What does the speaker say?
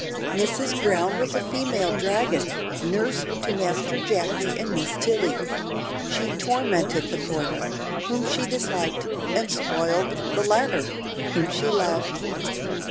Mrs Brown was a female dragon, nurse to Master Jacky and Miss Tilly; she tormented the former, whom she disliked, and spoiled the latter, whom she loved.